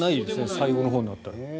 最後のほうになったら。